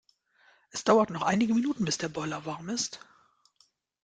Es dauert noch einige Minuten, bis der Boiler warm ist.